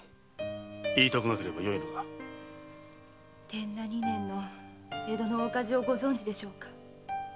天和二年の江戸の大火事をご存じでしょうか？